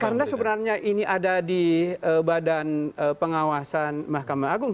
karena sebenarnya ini ada di badan pengawasan mahkamah agung